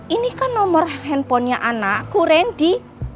ini kan nomor handphonenya anakku randy